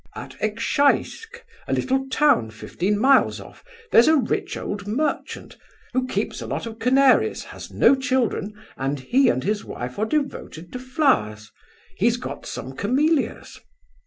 'At Ekshaisk (a little town fifteen miles off) there's a rich old merchant, who keeps a lot of canaries, has no children, and he and his wife are devoted to flowers. He's got some camellias.